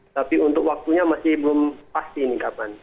tapi untuk waktunya masih belum pasti ini kapan